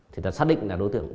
thì ta xác định là đối tượng